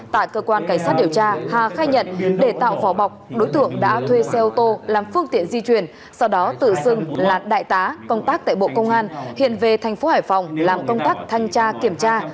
tại cơ quan cảnh sát điều tra hà khai nhận để tạo vỏ bọc đối tượng đã thuê xe ô tô làm phương tiện di chuyển sau đó tự xưng là đại tá công tác tại bộ công an hiện về thành phố hải phòng làm công tác thanh tra kiểm tra